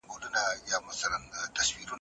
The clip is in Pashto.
بې ایماني د بدمرغیو اصلي لامل ګڼل کیده.